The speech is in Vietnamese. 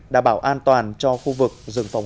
đảm bảo an toàn cho khu vực rừng phòng hộ